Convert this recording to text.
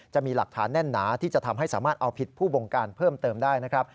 จะมีหลักฐานแน่นหนาที่จะทำให้สามารถเอาผิดผู้บงการเพิ่มเติมได้นะครับ